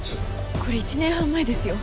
これ１年半前ですよ。